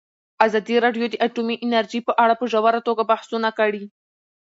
ازادي راډیو د اټومي انرژي په اړه په ژوره توګه بحثونه کړي.